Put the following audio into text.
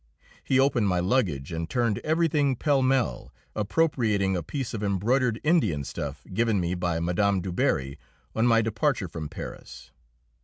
He opened my luggage and turned everything pell mell, appropriating a piece of embroidered Indian stuff given me by Mme. Du Barry on my departure from Paris.